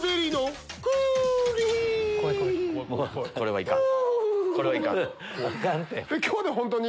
これはいかん。